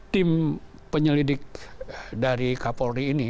tim penyelidik dari kapolri ini